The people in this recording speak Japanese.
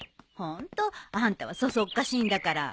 ホントあんたはそそっかしいんだから。